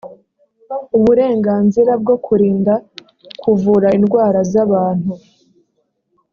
uburenganzira bwo kurinda kuvura indwara z abantu